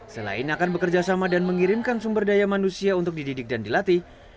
selain akan bekerja sama dan mengirimkan sumber daya manusia untuk dididik dan dilatih